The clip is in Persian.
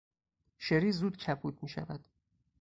شری زود کبود میشود.